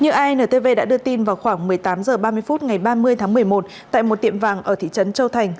như intv đã đưa tin vào khoảng một mươi tám h ba mươi phút ngày ba mươi tháng một mươi một tại một tiệm vàng ở thị trấn châu thành